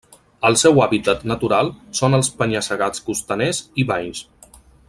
El seu hàbitat natural són els penya-segats costaners i valls.